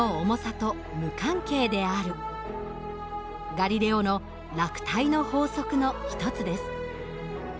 ガリレオの「落体の法則」の一つです。